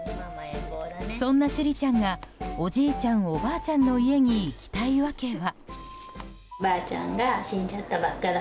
そんな珠里ちゃんがおじいちゃん、おばあちゃんの家に行きたい訳は。